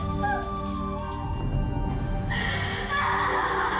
dia tidak membutuhkan lala lala